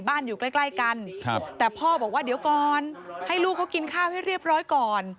อยู่ใกล้กันแต่พ่อบอกว่าเดี๋ยวก่อนให้ลูกเขากินข้าวให้เรียบร้อยก่อน